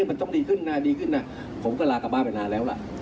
มันต้องดีขึ้นนะดีขึ้นนะผมก็ลากลับบ้านไปนานแล้วล่ะ